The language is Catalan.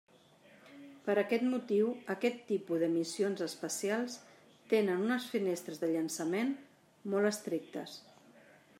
Per aquest motiu aquest tipus de missions espacials tenen unes finestres de llançament molt estrictes.